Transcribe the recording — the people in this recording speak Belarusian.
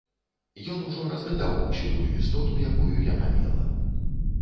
Ён ужо разгадаў усю тую істоту, якую яна мела.